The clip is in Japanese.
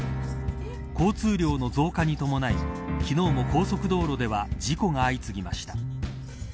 交通量の増加に伴い昨日も高速道路では事故が相次ぎました。